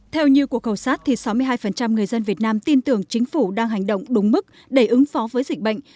theo như cuộc khảo sát sáu mươi hai người dân việt nam tin tưởng chính phủ đang hành động đúng mức để ứng phó với dịch bệnh